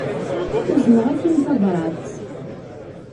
Uzneɣ-ak-in tabrat.